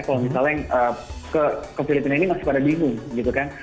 kalau misalnya ke filipina ini masih pada bingung gitu kan